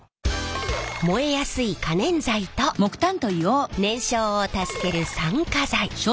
燃えやすい可燃剤と燃焼を助ける酸化剤。